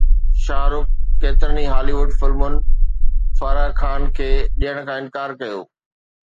شاهه رخ ڪيترن ئي هالي ووڊ فلمن فرح خان کي ڏيڻ کان انڪار ڪيو